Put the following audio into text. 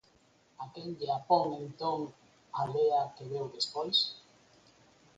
A que lle apón entón a lea que veu despois?